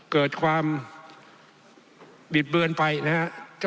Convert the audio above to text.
เกิดความบิดเบือนไปนะครับ